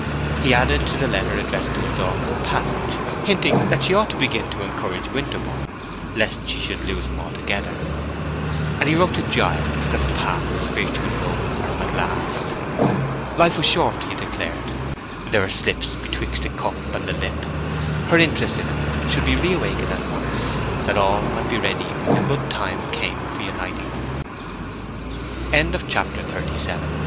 He added to the letter addressed to his daughter a passage hinting that she ought to begin to encourage Winterborne, lest she should lose him altogether; and he wrote to Giles that the path was virtually open for him at last. Life was short, he declared; there were slips betwixt the cup and the lip; her interest in him should be reawakened at once, that all might be ready when the good time came for uniting them. CHAPTER XXXVIII. At these wa